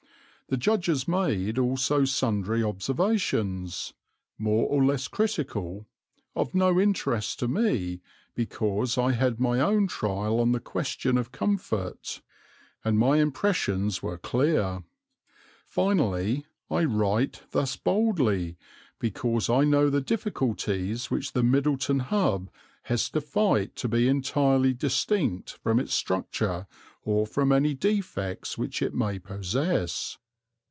The judges made also sundry observations, more or less critical, of no interest to me because I had made my own trial on the question of comfort, and my impressions were clear. Finally I write thus boldly because I know the difficulties which the Middleton Hub has to fight to be entirely distinct from its structure or from any defects which it may possess.